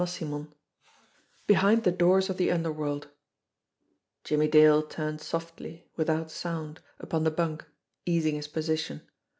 XV BEHIND THE DOORS OF THE UNDERWORLD JIMMIE DALE turned softly, without sound, upon the bunk, easing his position.